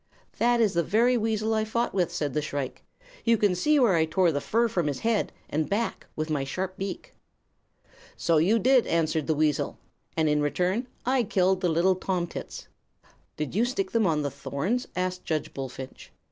"'That is the very weasel I fought with,' said the shrike. 'You can see where I tore the fur from his head and back with my sharp beak.' "'So you did,' answered the weasel; 'and in return I killed the little tomtits.' "'Did you stick them on the thorns?' asked Judge Bullfinch.